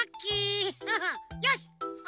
よし！